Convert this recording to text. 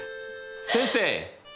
先生。